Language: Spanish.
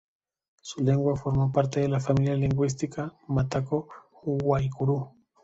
Su lengua formó parte de la familia lingüística mataco-guaycurú.